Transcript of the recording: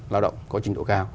lao động có trình độ cao